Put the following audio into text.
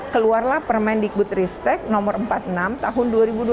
keluarlah permendikbut ristek nomor empat puluh enam tahun dua ribu dua puluh tiga